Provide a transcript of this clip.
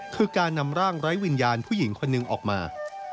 คือการนำร่างไร้วิญญาณผู้หญิงคนหนึ่งออกมา